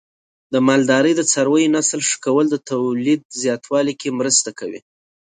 د مالدارۍ د څارویو نسل ښه کول د تولید زیاتوالي کې مرسته کوي.